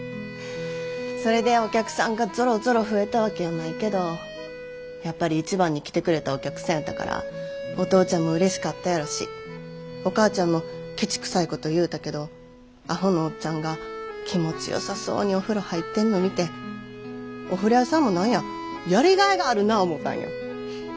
それでお客さんがぞろぞろ増えたわけやないけどやっぱり１番に来てくれたお客さんやったからお父ちゃんもうれしかったやろしお母ちゃんもケチくさいこと言うたけどアホのおっちゃんが気持ちよさそうにお風呂入ってんの見てお風呂屋さんも何ややりがいがあるな思たんよ。